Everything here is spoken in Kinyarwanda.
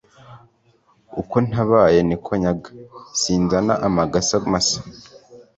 uko ntabaye ni ko nyaga, sinzana amagasa masa.